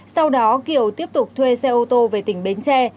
sau đó kiều tiếp tục thuê xe ô tô về tỉnh bến tre